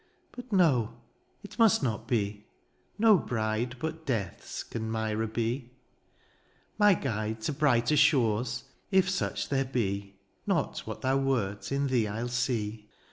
^' But no, it must not be — ^no bride '^ But death^s can Myra be ; my guide 82 DIONYSIUS, '^ To brighter shores^ if such there be, " Not what thou wert in thee Pll see.